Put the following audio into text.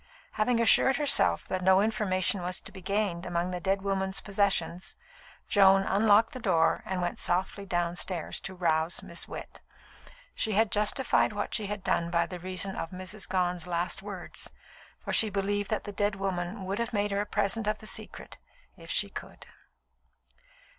Having assured herself that no information was to be gained among the dead woman's possessions, Joan unlocked the door and went softly downstairs to rouse Miss Witt. She justified what she had done by reason of Mrs. Gone's last words, for she believed that the dead woman would have made her a present of the secret if she could.